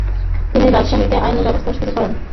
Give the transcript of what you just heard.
তিনি রাজশাহীতে আইন ব্যবসা শুরু করেন।